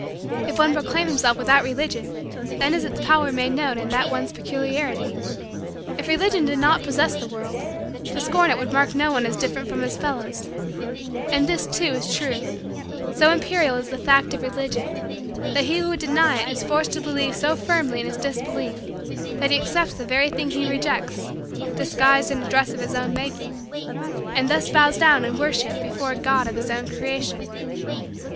If one proclaim himself without Religion then is its power made known in that one's peculiarity. If Religion did not possess the world, to scorn it would mark no one as different from his fellows, And this, too, is true: so imperial is the fact of Religion, that he who would deny it is forced to believe so firmly in his disbelief that he accepts the very thing he rejects, disguised in a dress of his own making, and thus bows down in worship before a God of his own creation.